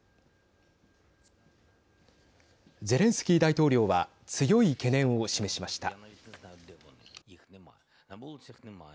ゼレンスキー大統領は強い懸念を示しました。